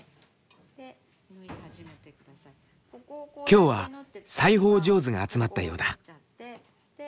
今日は裁縫上手が集まったようだ。